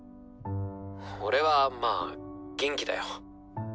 俺はまあ元気だよ。